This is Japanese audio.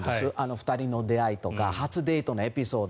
２人の出会いとか初デートのエピソード